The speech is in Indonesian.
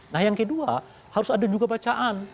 nah yang kedua harus ada juga bacaan